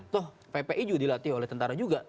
toh pp iju dilatih oleh tentara juga